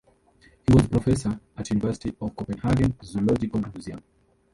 He was Professor at University of Copenhagen Zoological Museum.